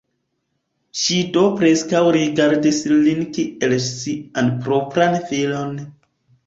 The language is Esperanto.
Ŝi do preskaŭ rigardis lin kiel sian propran filon.